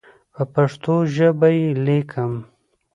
په پښتو ژبه یې لیکم.